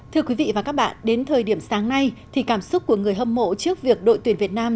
thưa quý vị và các bạn đến thời điểm sáng nay thì cảm xúc của người hâm mộ trước việc đội tuyển việt nam